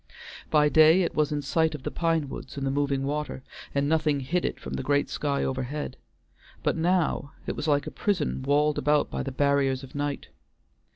By day it was in sight of the pine woods and the moving water, and nothing hid it from the great sky overhead, but now it was like a prison walled about by the barriers of night.